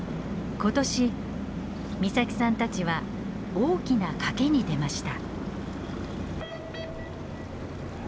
今年岬さんたちは大きな賭けに出ました。